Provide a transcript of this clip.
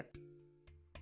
bambu dapat menyimpan makanan